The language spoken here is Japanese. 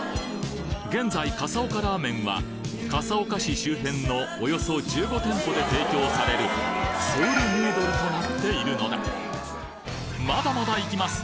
現在笠岡ラーメンは笠岡市周辺のおよそ１５店舗で提供されるソウルヌードルとなっているのだまだまだ行きます！